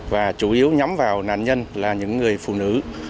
và chủ yếu nhắm vào nạn nhân là những người phụ nữ